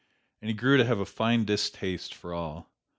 And he grew to have a fine distaste for all.